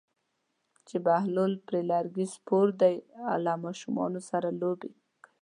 چې بهلول پر لرګي سپور دی او له ماشومانو سره لوبې کوي.